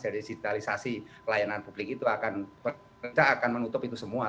jadi digitalisasi pelayanan publik itu akan menutup itu semua